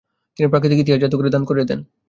তিনি প্রাকৃতিক ইতিহাস জাদুঘরে দান করে দেন।